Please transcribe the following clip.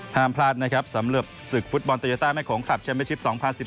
ห้ามพลาดนะครับสำหรับศึกฟุตบอลโตยาต้าแม่โขงคลับแชมเป็นชิป๒๐๑๘